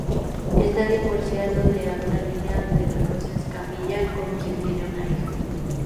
Está divorciado de Alma Lilia de la Rosa Escamilla, con quien tiene una hija.